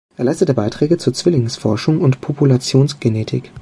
Er leistete Beiträge zur Zwillingsforschung und Populationsgenetik.